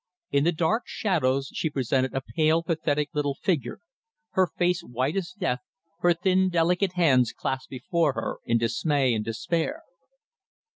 In the dark shadows she presented a pale, pathetic little figure, her face white as death, her thin, delicate hands clasped before her in dismay and despair.